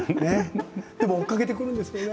でも追いかけてくるんですよね。